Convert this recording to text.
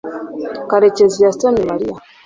karekezi yasomye mariya